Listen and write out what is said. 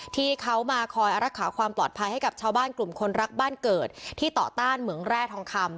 ที่เขามาคอยรักษาความปลอดภัยให้กับชาวบ้านกลุ่มคนรักบ้านเกิดที่ต่อต้านเหมืองแร่ทองคำ